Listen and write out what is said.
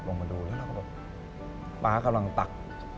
พี่แบบที่ป๊ากำลังตัก